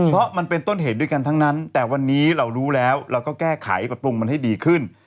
เพราะมันเป็นต้นเหตุด้วยกันทั้งนั้นแต่วันนี้เรารู้แล้วเราก็แก้ไขปรับปรุงมันให้ดีขึ้น